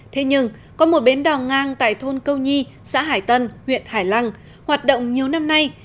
thế nhưng có một bến đò ngang tại thôn câu nhi xã hải tân huyện hải lăng hoạt động nhiều năm nay